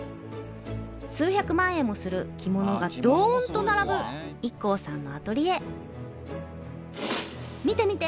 数百万円もする着物がドン！と並ぶＩＫＫＯさんのアトリエ見て見て！